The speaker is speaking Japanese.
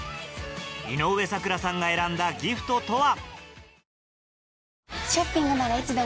井上咲楽さんが選んだギフトとは？